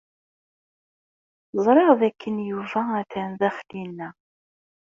Ẓriɣ dakken Yuba atan daxel-inna.